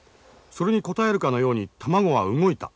それに応えるかのように卵は動いた。